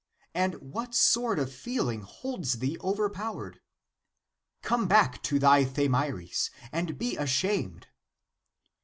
And what sort of feeling holds thee overpowered ? Come back to thy Thamyris, and be ashamed."